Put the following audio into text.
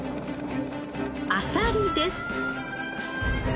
あさりです。